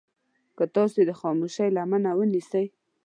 که تاسې د خاموشي لمنه ونيسئ.